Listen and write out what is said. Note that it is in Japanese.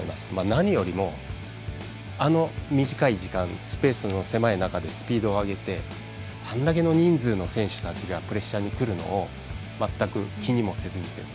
何よりも、あの短い時間スペースの狭い中でスピードを上げてあんだけの人数の選手たちがプレッシャーに来るのを全く気にもせずにきている。